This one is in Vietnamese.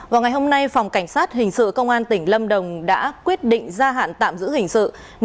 vào ngày hôm nay phòng cảnh sát hình sự công an tỉnh lâm đồng đã quyết định gia hạn tạm giữ hình sự